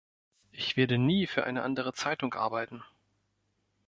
Ich werde nie für eine andere Zeitung arbeiten!